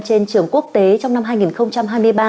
trên trường quốc tế trong năm hai nghìn hai mươi ba